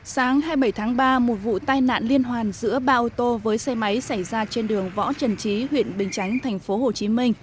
sáng hai mươi bảy tháng ba một vụ tai nạn liên hoàn giữa ba ô tô với xe máy xảy ra trên đường võ trần trí huyện bình chánh tp hcm